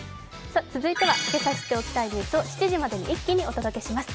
続いてはけさ知っておきたいニュースを７時までに一気にお届けします。